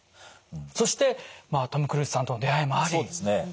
そしてまあトム・クルーズさんとの出会いもあり。